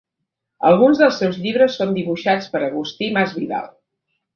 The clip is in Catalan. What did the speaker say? Alguns dels seus llibres són dibuixats per Agustí Masvidal.